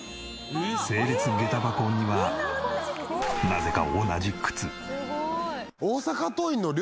整列下駄箱にはなぜか同じ靴。